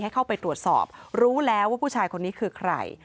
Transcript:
เข้าไปตรวจสอบรู้แล้วว่าผู้ชายคนนี้คือใคร